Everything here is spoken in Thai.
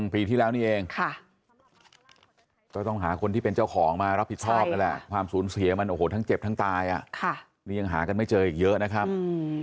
ปีที่แล้วนี่เองก็ต้องหาคนที่เป็นเจ้าของมารับผิดชอบนั่นแหละความสูญเสียมันโอ้โหทั้งเจ็บทั้งตายนี่ยังหากันไม่เจออีกเยอะนะครับ